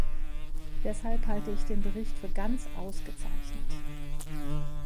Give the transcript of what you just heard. Deshalb halte ich den Bericht für ganz ausgezeichnet.